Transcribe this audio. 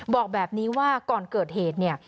บอกแบบนี้ว่าก่อนเกิดเหตุเนี่ย